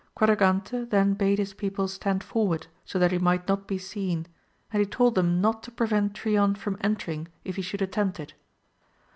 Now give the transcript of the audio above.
Quadragante then bade his people stand forward so that he might not be seen, and he told them not to prevent Trion from entering if he should attempt it.